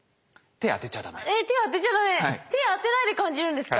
手当てないで感じるんですか？